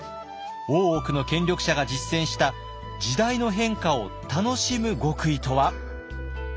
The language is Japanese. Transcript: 大奥の権力者が実践した時代の変化を楽しむ極意とは？